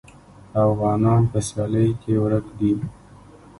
افغانان په سیالۍ کې ورک دي.